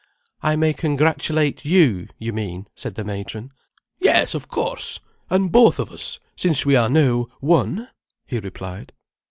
"I may congratulate you, you mean," said the matron. "Yes, of course. And both of us, since we are now one," he replied.